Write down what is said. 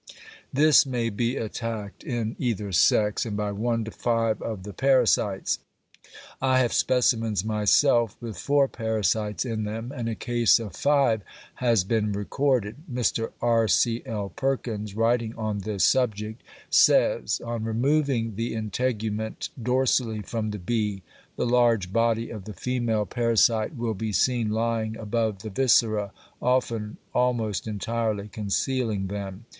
This may be attacked in either sex, and by one to five of the parasites. I have specimens myself with four parasites in them, and a case of five has been recorded. Mr. R. C. L. Perkins, writing on this subject, says: "On removing the integument dorsally from the bee, the large body of the female parasite will be seen lying above the viscera, often almost entirely concealing them".